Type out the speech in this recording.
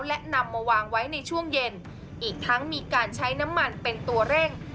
และนำมาวางไว้ในช่วงเย็นอีกทั้งมีการใช้น้ำมันเป็นตัวเร่ง